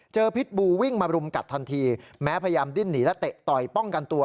พิษบูวิ่งมารุมกัดทันทีแม้พยายามดิ้นหนีและเตะต่อยป้องกันตัว